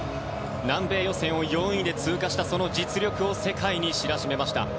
南米予選を４位で通過したその実力を世界に知らしめました。